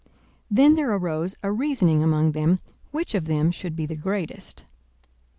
42:009:046 Then there arose a reasoning among them, which of them should be greatest.